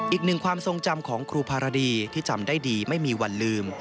อีกหนึ่งความทรงจำของครูภารดีที่จำได้ดีไม่มีวันลืม